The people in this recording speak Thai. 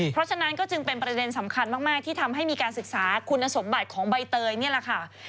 เพราะฉะนั้นก็จึงเป็นประเด็นสำคัญมากที่ทำให้มีการศึกษาคุณสมบัติของใบเตยนี่แหละค่ะ